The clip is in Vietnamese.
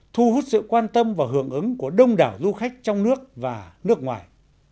thu hút sự quan tâm và hưởng ứng của đông đảo du khách trong nước và nước ngoài